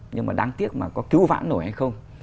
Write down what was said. nhưng mà đáng tiếc mà có cứu vãn nổi hay không